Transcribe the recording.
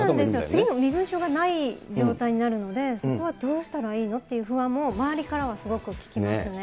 次の身分証がない状態になるので、そこはどうしたらいいのっていう不安も周りからはすごく聞きますね。